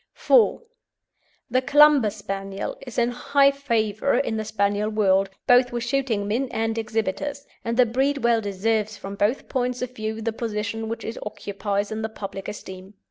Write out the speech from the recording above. IV. THE CLUMBER SPANIEL is in high favour in the Spaniel world, both with shooting men and exhibitors, and the breed well deserves from both points of view the position which it occupies in the public esteem.